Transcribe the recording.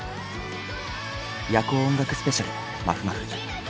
「夜光音楽スペシャルまふまふ」。